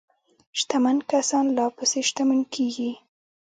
شتمن کسان لا پسې شتمن کیږي.